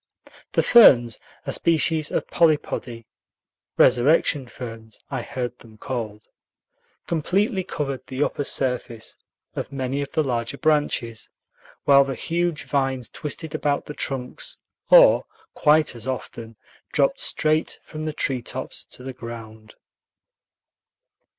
The ferns, a species of polypody ("resurrection ferns," I heard them called), completely covered the upper surface of many of the larger branches, while the huge vines twisted about the trunks, or, quite as often, dropped straight from the treetops to the ground.